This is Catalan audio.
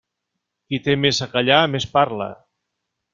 Qui té més a callar més parla.